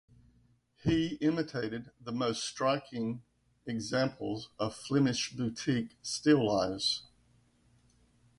He imitated the most striking examples of Flemish Baroque still lifes.